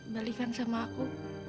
balikan sama aku